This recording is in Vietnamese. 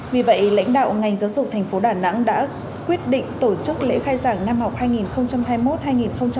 vì vậy lãnh đạo ngành giáo dục thành phố đà nẵng đã quyết định tổ chức lễ khai giảng năm học hai nghìn hai mươi một hai nghìn hai mươi năm